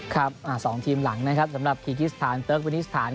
ครับสองทีมหลังสำหรับคีกิสถานเตอร์มิวนิสถาน